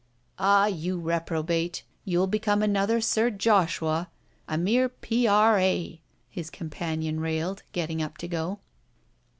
"Ah, you reprobate, you'll become another Sir Joshua, a mere P.R.A.!" his companion railed, getting up to go.